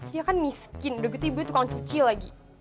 dia kan miskin udah gitu tukang cuci lagi